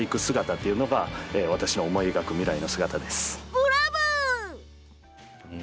ブラボー！